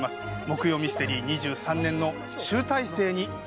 「木曜ミステリー２３年の集大成にご期待ください」